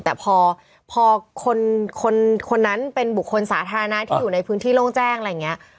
แต่พอคนนั้นเป็นบุคคลสาธารณะที่อยู่ในพื้นที่โล่งแจ้งอะไรอย่างนี้